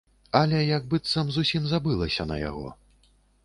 Аля як быццам зусім забылася на яго.